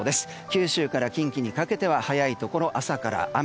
九州から近畿にかけては早いところ朝から雨。